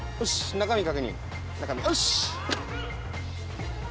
中身よし！